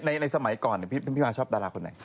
แต่ใช้สมัยก่อนพี่มาบ์ชอบดาลาคนไหน